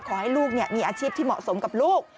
ขอให้ลูกมีอาชีพที่เหมาะสมกับลูก